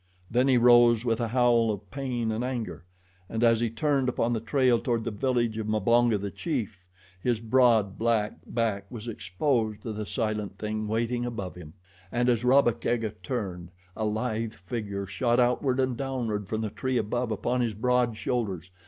Then he rose with a howl of pain and anger, and as he turned up the trail toward the village of Mbonga, the chief, his broad, black back was exposed to the silent thing waiting above him. And as Rabba Kega turned, a lithe figure shot outward and downward from the tree above upon his broad shoulders.